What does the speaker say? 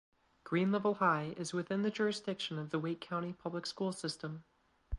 Green Level High is within the jurisdiction of the Wake County Public School System.